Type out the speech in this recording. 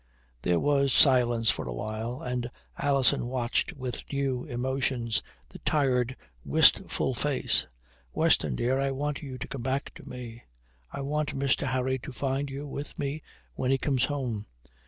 There was silence for a while, and Alison watched with new emotions the tired, wistful face. "Weston, dear, I want you to come back to me. I want Mr. Harry to find you with me when he comes home."